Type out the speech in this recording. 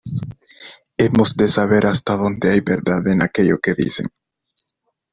hemos de saber hasta dónde hay verdad en aquello que dicen: